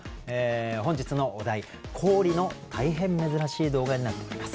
本日のお題「氷」の大変珍しい動画になっております。